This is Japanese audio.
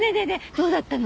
どうだったの？